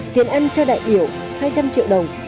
tiền ân cho đại biểu hai trăm linh triệu đồng